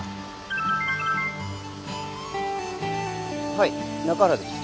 はい中原です。